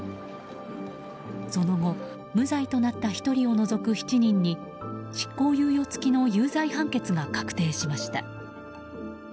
その後、無罪となった１人を除く７人に執行猶予付きの有罪判決が確定しました。